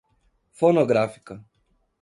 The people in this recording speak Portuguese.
fonográfica